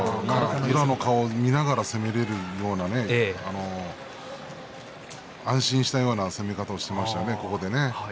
宇良の顔を見ながら攻められるという安心したような攻め方でしたね。